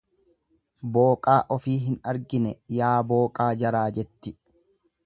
Booqaa ofii hin argine yaa booqaa jaraa jetti.